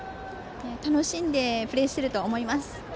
楽しんでプレーしてると思います。